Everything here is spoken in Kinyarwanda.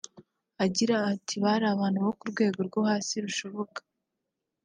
Agira ati“Bari abantu bo ku rwego rwo hasi rushoboka